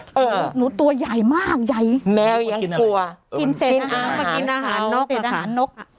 เออหนูตัวใหญ่มากใหญ่แมวยังกลัวกินเศษอาหารเกิดกินอาหารนก